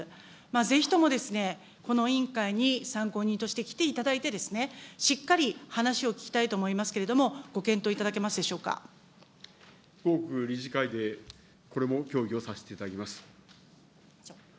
ぜひとも、この委員会に参考人として来ていただいてですね、しっかり話を聞きたいと思いますけれども、後刻、理事会でこれも協議をさせていただきます。